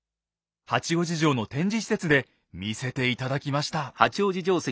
八王子城の展示施設で見せて頂きました。